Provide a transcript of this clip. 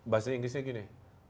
bahasa inggrisnya gini